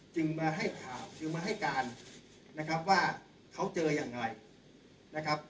จึงมาให้ข่าวจึงมาให้การนะครับว่าเขาเจอยังไงนะครับ